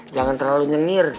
jangan terlalu nyengir